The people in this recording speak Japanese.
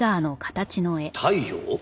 太陽？